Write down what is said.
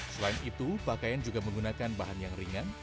selain itu pakaian juga menggunakan bahan yang ringan